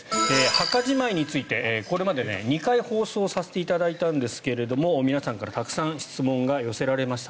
墓じまいについてこれまで２回放送させていただいたんですが皆さんからたくさん質問が寄せられました。